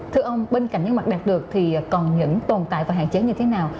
thưa ông bên cạnh những mặt đạt được thì còn những tồn tại và hạn chế như thế nào